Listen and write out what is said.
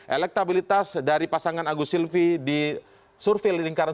elektabilitas dari pasangan agus silvi di survei lingkaran